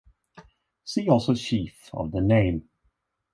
See also Chief of the Name.